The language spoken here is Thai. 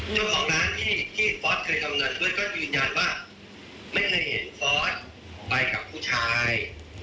เจ้าของร้านที่ฟอร์สเคยทำเงินด้วยก็ยืนยันว่าไม่เคยเห็นฟอสไปกับผู้ชาย